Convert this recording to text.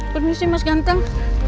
permisi mas ganteng